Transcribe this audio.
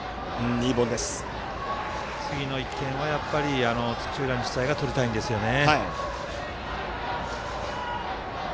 次の１点は、やっぱり土浦日大が取りたいんですよね。